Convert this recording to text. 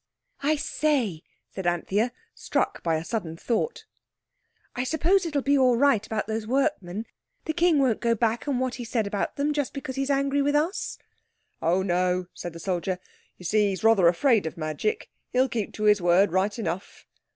"I say," said Anthea, struck by a sudden thought, "I suppose it'll be all right about those workmen? The King won't go back on what he said about them just because he's angry with us?" "Oh, no," said the soldier, "you see, he's rather afraid of magic. He'll keep to his word right enough."